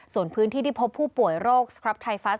ส่วนพื้นที่ที่พบผู้ป่วยโรคสครับไทฟัส